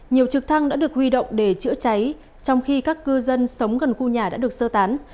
nhiều trực thăng đã được huy động để chữa cháy trong khi các cư dân sống gần khu nhà đã được sơ tán